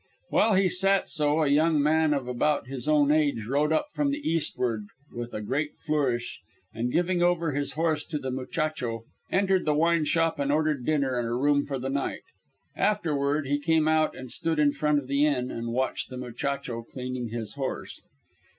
While he sat so a young man of about his own age rode up from the eastward with a great flourish, and giving over his horse to the muchacho, entered the wine shop and ordered dinner and a room for the night. Afterward he came out and stood in front of the inn and watched the muchacho cleaning his horse.